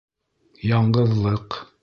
Яңғыҙлыҡ!